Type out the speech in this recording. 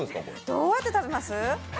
どうやって食べます？